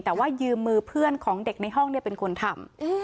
แต่ว่ายืมมือเพื่อนของเด็กในห้องเป็นคนทำ